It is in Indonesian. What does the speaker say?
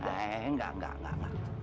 eh enggak enggak enggak